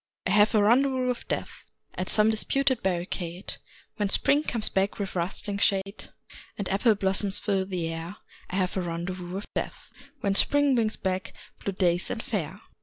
I have a rendezvous with Death At some disputed barricade, When Spring comes back with rustling shade And apple blossoms fill the air I have a rendezvous with Death When Spring brings back blue days and fair.